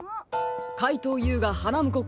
かいとうＵがはなむこ